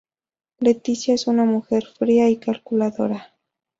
Leticia es una mujer fría y calculadora.